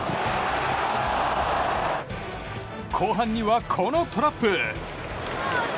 後半には、このトラップ。